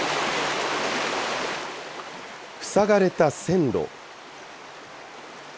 塞がれた線路。